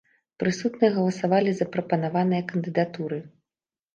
Прысутныя галасавалі за прапанаваныя кандыдатуры.